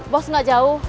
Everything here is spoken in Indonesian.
bos nggak jauh